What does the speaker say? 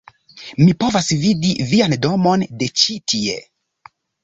"mi povas vidi vian domon de ĉi-tie!"